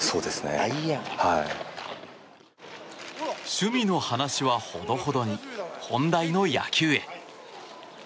趣味の話はほどほどに本題の野球へ。